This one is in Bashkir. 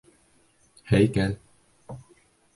Һәйкәл